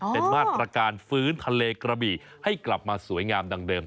เป็นมาตรการฟื้นทะเลกระบี่ให้กลับมาสวยงามดังเดิม